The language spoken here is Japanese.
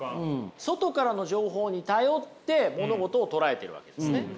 外からの情報に頼って物事をとらえているわけですね。